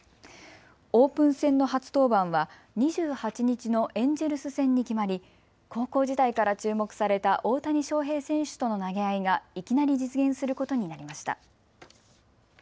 オープン戦の初登板は２８日のエンジェルス戦に決まり高校時代から注目された大谷翔平選手との投げ合いがいきなり実現することになりました。